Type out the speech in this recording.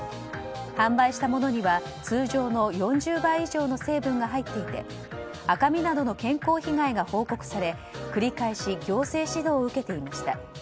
販売したものには通常の４０倍以上の成分が入っていて赤みなどの健康被害が報告され繰り返し強制指導を受けていました。